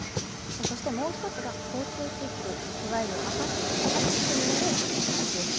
そしてもう１つが交通切符、いわゆる赤切符による取締りです。